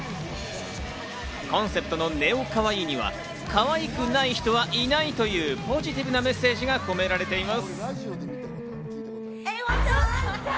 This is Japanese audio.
コンセプトのＮＥＯかわいいには、かわいくない人はいないというポジティブなメッセージが込められています。